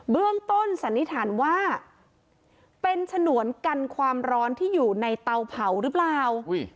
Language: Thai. เบื้องต้นสันนิษฐานว่าเป็นฉนวนกันความร้อนที่อยู่ในเตาเผาหรือเปล่า